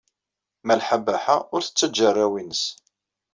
Malḥa Baḥa ur tettajja arraw-nnes.